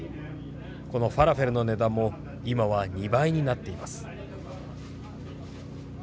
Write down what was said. このファラフェルの値段も今は２倍になっています。